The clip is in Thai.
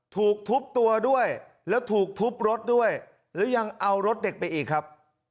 ถูกทุบตัวด้วยแล้วถูกทุบรถด้วยแล้วยังเอารถเด็กไปอีกครับ